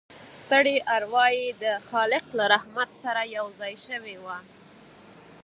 ستړې اروا يې د خالق له رحمت سره یوځای شوې وه